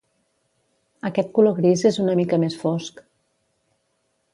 Aquest color gris és una mica més fosc.